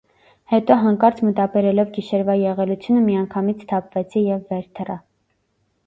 Հետո հանկարծ մտաբերելով գիշերվա եղելությունը, միանգամից սթափվեցի և վեր թռա: